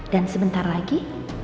dan sebentar lagi